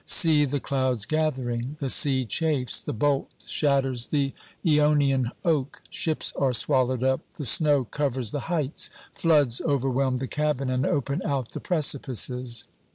See the clouds gathering ; the sea chafes, the bolt shatters the aeonian oak, ships are swallowed up, the snow covers the heights, floods overwhelm the cabin and open out the precipices.